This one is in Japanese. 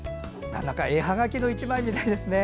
なんだか絵はがきの１枚みたいですね。